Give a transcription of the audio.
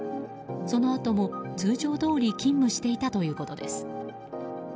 そのあとも通常どおり勤務していたということです。